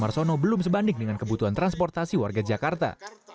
marsono belum sebanding dengan kebutuhan transportasi warga jakarta